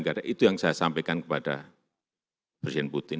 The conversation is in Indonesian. karena itu yang saya sampaikan kepada presiden putin